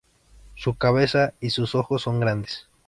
Su cabeza y sus ojos son grandes.